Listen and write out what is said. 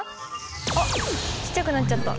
あっちっちゃくなっちゃった。